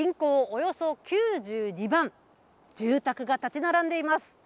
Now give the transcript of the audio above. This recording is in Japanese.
およそ９２万、住宅が建ち並んでいます。